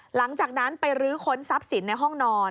หลังจากนั้นไปรื้อค้นทรัพย์สินในห้องนอน